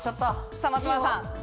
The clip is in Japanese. さぁ松丸さん。